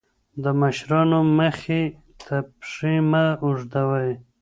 د مشرانو مخې ته پښې مه اوږدوئ.